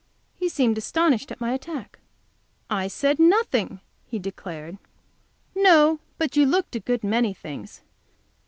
He seemed astonished at my attack. "I said nothing," he declared. "No, but you looked a good many things.